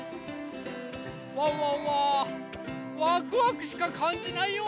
ワンワンはワクワクしかかんじないよ！